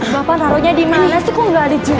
bapak naronya dimana sih kok gak ada jenis